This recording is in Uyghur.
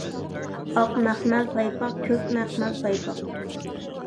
ئاق مەخمەل پايپاق، كۆك مەخمەل پايپاق.